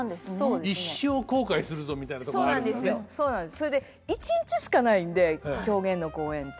それで１日しかないんで狂言の公演て。